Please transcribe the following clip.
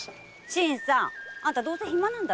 新さんあんたどうせ暇なんだろ？